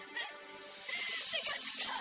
kau akan mencimalah